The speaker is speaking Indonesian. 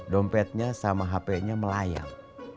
dompetnya sama hpnya melayang